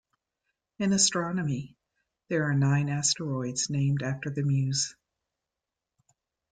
In astronomy, there are nine asteroids named after the Muses.